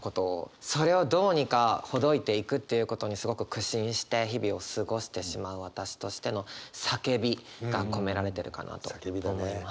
それをどうにかほどいていくっていうことにすごく苦心して日々を過ごしてしまう私としての叫びが込められてるかなと思います。